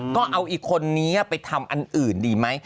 ก็เอาอีกคนนี้ไปทำอันอื่นดีไหม